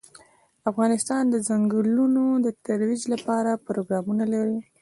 افغانستان د ځنګلونه د ترویج لپاره پروګرامونه لري.